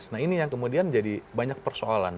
nah ini yang kemudian jadi banyak persoalan